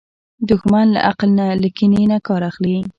دښمن له عقل نه، له کینې نه کار اخلي